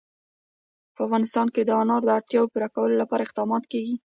په افغانستان کې د انار د اړتیاوو پوره کولو لپاره اقدامات کېږي.